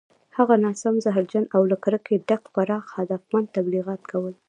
هغه ناسم، زهرجن او له کرکې ډک پراخ هدفمند تبلیغات کول